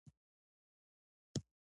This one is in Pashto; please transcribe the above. هغه د دښته په سمندر کې د امید څراغ ولید.